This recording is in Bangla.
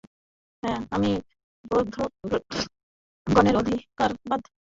আমি বৌদ্ধগণের অধিকারবাদ-খণ্ডনের কথা বলিতেছি।